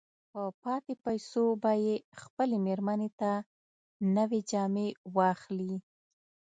په پاتې پيسو به يې خپلې مېرمې ته نوې جامې واخلي.